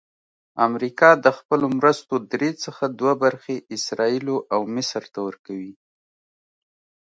امریکا د خپلو مرستو درې څخه دوه برخې اسراییلو او مصر ته ورکوي.